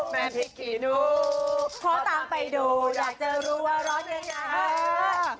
แม่พิกขี้หนูพอตามไปดูอยากจะรู้ว่าร้อนยังไง